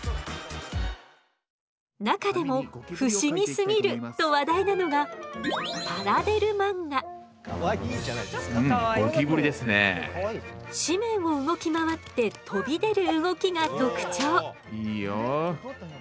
中でも「不思議すぎる！」と話題なのが紙面を動き回って飛び出る動きが特徴。